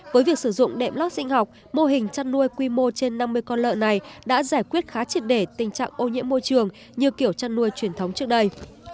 với việc sử dụng đệm lót sinh học mô hình chăn nuôi quy mô trên năm mươi con lợn này đã giải quyết khá triệt để tình trạng ô nhiễm môi trường như kiểu chăn nuôi truyền thống trước đây